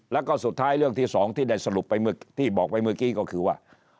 แล้วก็สุดท้ายเรื่องที่สองที่ได้สรุปไปที่บอกไปเมื่อกี้ก็คือว่า